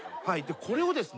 これをですね